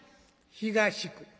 「東区」。